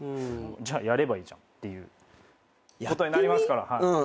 じゃあやればいいじゃん！っていうことになりますから。